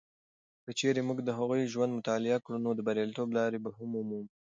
که چیرې موږ د هغوی ژوند مطالعه کړو، نو د بریالیتوب لارې به ومومو.